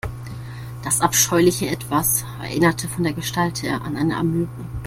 Das abscheuliche Etwas erinnerte von der Gestalt her an eine Amöbe.